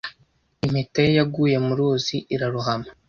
Impeta ye yaguye mu ruzi irarohama.